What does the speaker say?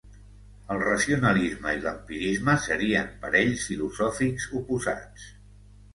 El racionalisme i l'empirisme serien parells filosòfics oposats.